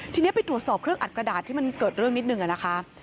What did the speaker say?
ทีนี้ไปตรวจสอบเครื่องอัดกระดาษที่มันเกิดเรื่องนิดนึงนะคะ